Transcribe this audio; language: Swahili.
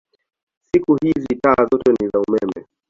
Siku hizi taa zote ni za umeme.